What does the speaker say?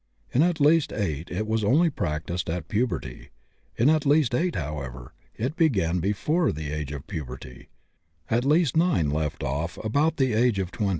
In at least 8 it was only practised at puberty; in at least 8, however, it began before the age of puberty; at least 9 left off before about the age of 20.